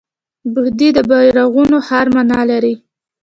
بخدي د بیرغونو ښار مانا لري